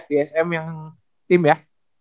di sm yang tim ya